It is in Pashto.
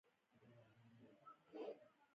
د سپرنووا چاودنه ستوری له منځه وړي.